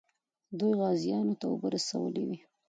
دوی غازیانو ته اوبه رسولې وې.